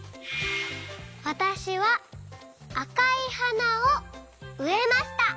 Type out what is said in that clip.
わたしはあかいはなをうえました。